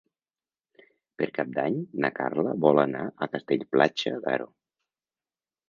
Per Cap d'Any na Carla vol anar a Castell-Platja d'Aro.